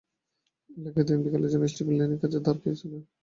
Alec ঐদিন বিকালের জন্য স্টিভেন লিনের কাছ থেকে ধার করেছিল।